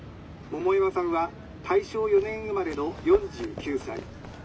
桃山さんは大正４年生まれの４９歳。